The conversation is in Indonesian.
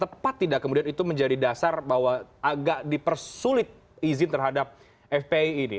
tepat tidak kemudian itu menjadi dasar bahwa agak dipersulit izin terhadap fpi ini